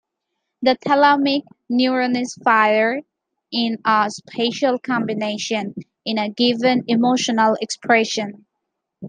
The thalamic neurones fire in a special combination in a given emotional expression.